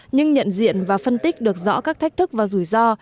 nhưng nhận diện và phân tích được rõ các thách thức và rủi ro